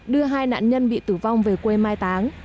đưa hai nạn nhân bị tử vong về quê mai táng